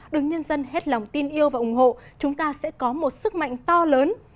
đứng nhân dân hết lòng tin yêu và ủng hộ chúng ta sẽ có một sức mạnh to lớn